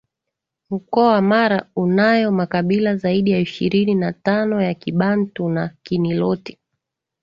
mkoa wa Mara unayo makabila zaidi ya ishirini na tano ya Kibantu na Kiniloti